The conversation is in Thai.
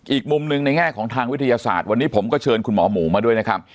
อีกมุมหนึ่งในแง่ของทางวิทยาศาสตร์วันนี้ผมก็เชิญคุณหมอหมูมาด้วยนะครับ